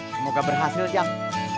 semoga berhasil kang